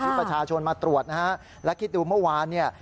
ประชาชนมาตรวจนะฮะและคิดดูเมื่อวานเนี่ย